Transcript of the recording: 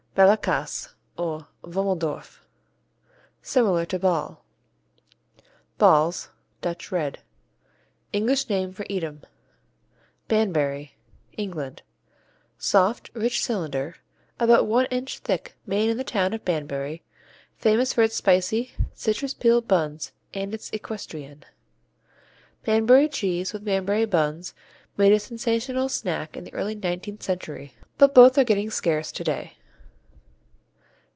Ballakäse or Womelsdorf Similar to Ball. Balls, Dutch Red English name for Edam. Banbury England Soft, rich cylinder about one inch thick made in the town of Banbury, famous for its spicy, citrus peel buns and its equestrienne. Banbury cheese with Banbury buns made a sensational snack in the early nineteenth century, but both are getting scarce today.